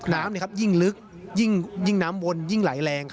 น้ำยิ่งลึกยิ่งน้ำวนยิ่งไหลแรง